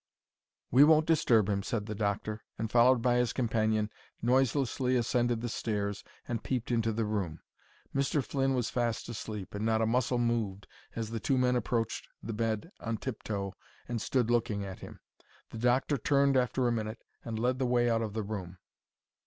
"We won't disturb him," said the doctor, and, followed by his companion, noiselessly ascended the stairs and peeped into the room. Mr. Flynn was fast asleep, and not a muscle moved as the two men approached the bed on tip toe and stood looking at him. The doctor turned after a minute and led the way out of the room.